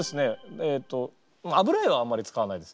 えっと油絵はあんまり使わないです。